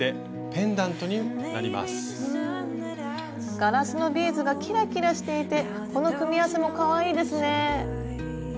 ガラスのビーズがキラキラしていてこの組み合わせもかわいいですね！